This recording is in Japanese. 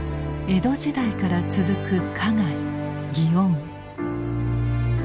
江戸時代から続く花街祇園。